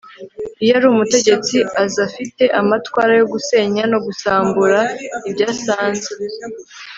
iyo ari umutegetsi aza afite amatwara yo gusenya no gusambura ibyo asanze